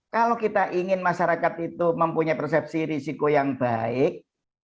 kalau kita ingin masyarakat itu mempunyai persepsi risiko yang baik